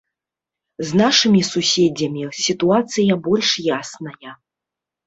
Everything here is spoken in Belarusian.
З нашымі суседзямі сітуацыя больш ясная.